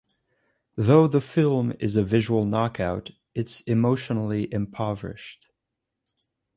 Though the film is a visual knockout, it's emotionally impoverished.